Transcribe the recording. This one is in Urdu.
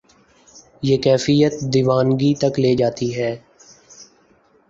یہ کیفیت دیوانگی تک لے جاتی ہے۔